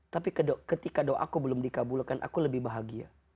tapi ketika doaku belum dikabulkan aku lebih bahagia